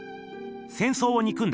戦争をにくんだ